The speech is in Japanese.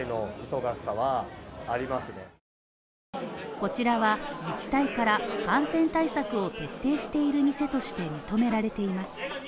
こちらは自治体から感染対策を徹底している店として認められています。